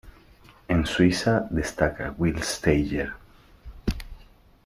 En Suiza destaca Will Steiger.